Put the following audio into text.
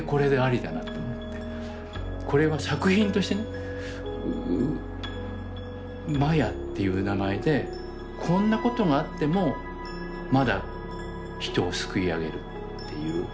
これは作品としてね「ＭＡＹＡ」っていう名前でこんなことがあってもまだ人を救いあげるっていう。